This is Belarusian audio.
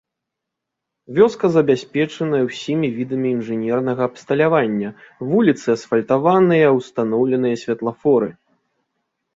Вёска забяспечаная ўсімі відамі інжынернага абсталявання, вуліцы асфальтаваныя, устаноўленыя святлафоры.